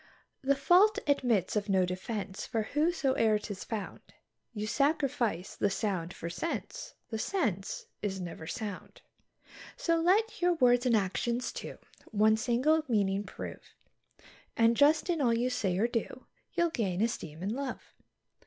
The fault admits of no defence, for wheresoe'er 'tis found, You sacrifice the sound for sense; the sense is never sound. So let your words and actions, too, one single meaning prove, And just in all you say or do, you'll gain esteem and love.